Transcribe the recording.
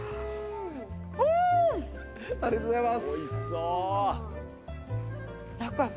ありがとうございます。